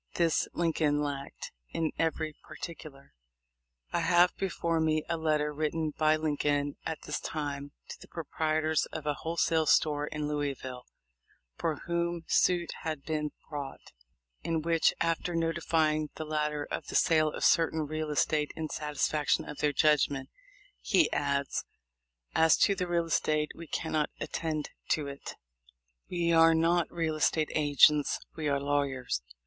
This Lincoln lacked in every particular. I have before me a letter written by Lincoln at this time to the proprietors of a wholesale store in Louisville, for whom suit had been brought, in which, after notify ing the latter of the sale of certain real estate in satisfaction of their judgment, he adds: "As to the real estate we cannot attend to it. We are not real estate agents, we are lawyers.